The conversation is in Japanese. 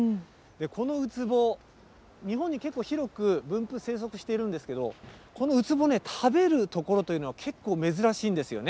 このウツボ、日本に結構広く分布生息しているんですけれども、このウツボね、食べるところというのは結構珍しいんですよね。